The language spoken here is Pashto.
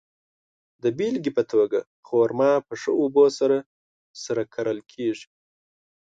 د بېلګې په توګه، خرما په ښه اوبو سره کرل کیږي.